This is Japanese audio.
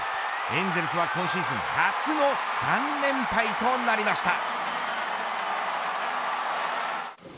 エンゼルスは今シーズン初の３連敗となりました。